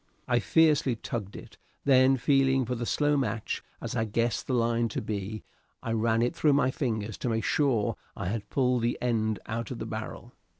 I fiercely tugged it, then feeling for the slow match, as I guessed the line to be, I ran it through my fingers to make sure I had pulled the end out of the barrel.